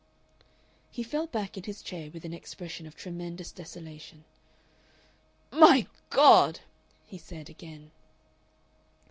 He fell back in his chair with an expression of tremendous desolation. "My God!" he said again....